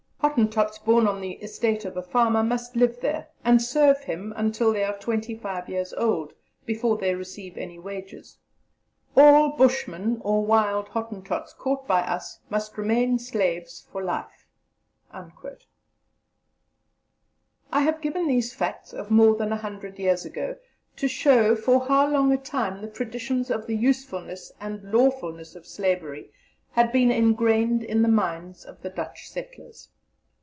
Hottentots born on the estate of a farmer must live there, and serve him until they are twenty five years old, before they receive any wages. All Bushmen or wild Hottentots caught by us must remain slaves for life." I have given these facts of more than a hundred years ago to show for how long a time the traditions of the usefulness and lawfulness of Slavery had been engrained in the minds of the Dutch settlers.